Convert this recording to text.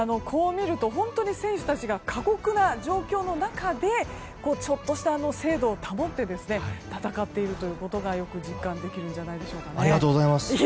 こう見ると本当に選手たちが過酷な状況の中でちょっとした精度を保って戦っているということがよく実感できるんじゃないでしょうか。